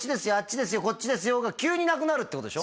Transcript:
こっちですよが急になくなるってことでしょ？